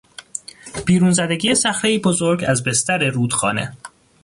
بیرون زدگی صخرهای بزرگ از بستر رودخانه